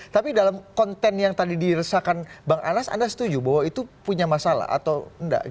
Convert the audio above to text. tapi dalam konten yang tadi diresahkan bang anas anda setuju bahwa itu punya masalah atau enggak